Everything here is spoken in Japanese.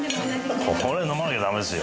ここで飲まなきゃだめですよ。